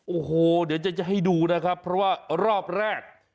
โอ้โหเดี๋ยวจะให้ดูนะครับเพราะว่ารอบแรก